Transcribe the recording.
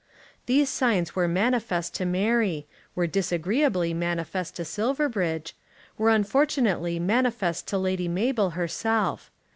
These signs were manifest to Mary, were disagreeably manifest to Silverbridge, were unfortunately manifest to Lady Mabel herself.